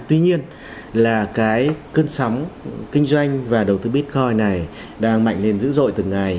tuy nhiên là cái cơn sóng kinh doanh và đầu tư bitcoin này đang mạnh lên dữ dội từng ngày